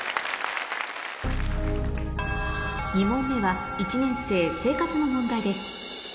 ２問目は１年生生活の問題です